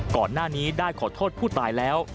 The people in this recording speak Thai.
ก่อนหน้านี้ได้ขอโทษผู้ตายแล้ว